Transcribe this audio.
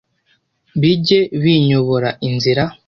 bijye binyobora inzira